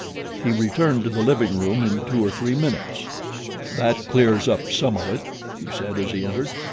He returned to the living room in two or three minutes. "That clears up some of it," he said as he entered.